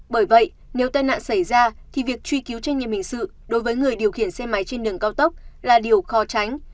bởi vậy nếu tai nạn xảy ra thì việc truy cứu trách nhiệm hình sự đối với người điều khiển xe máy trên đường cao tốc là điều khó tránh